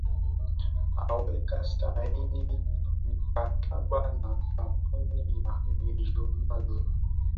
aweka saini mkataba na kampuni ya regional